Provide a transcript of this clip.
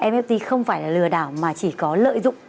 fpt không phải là lừa đảo mà chỉ có lợi dụng